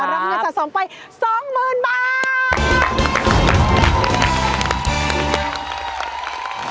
รับเงินจากสองไป๒๐๐๐๐บาท